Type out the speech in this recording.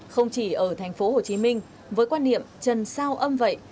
không chỉ ở thành phố hồ chí minh với quan niệm trần sao âm vậy